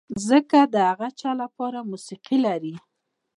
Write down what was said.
ځمکه د هغه چا لپاره موسیقي لري.